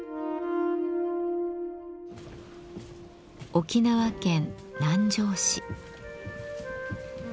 沖縄県南城市。